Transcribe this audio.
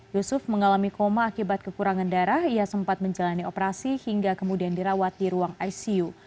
yusuf mengalami koma akibat kekurangan darah ia sempat menjalani operasi hingga kemudian dirawat di ruang icu